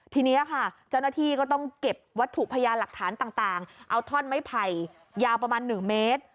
ทีนี้ค่ะเจ้าหน้าที่ก็ต้องเก็บวัตถุพยานหลักฐานต่างเอาท่อนไม้ไผ่ยาวประมาณ๑เมตร